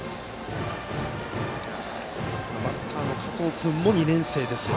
バッターの加藤君も２年生ですよ。